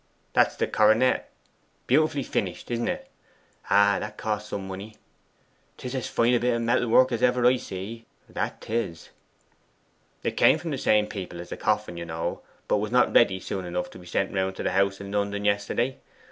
'That's the coronet beautifully finished, isn't it? Ah, that cost some money!' ''Tis as fine a bit of metal work as ever I see that 'tis.' 'It came from the same people as the coffin, you know, but was not ready soon enough to be sent round to the house in London yesterday.